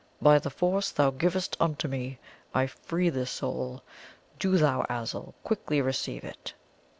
By the force thou givest unto me, I free this soul; do thou, Azul, quickly receive it!"